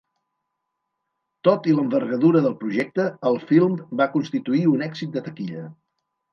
Tot i l'envergadura del projecte, el film va constituir un èxit de taquilla.